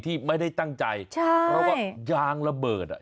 ที่ไม่ได้ตั้งใจใช่เพราะว่ายางระเบิดอ่ะ